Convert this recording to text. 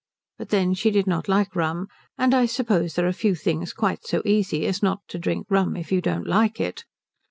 But then she did not like rum; and I suppose there are few things quite so easy as not to drink rum if you don't like it.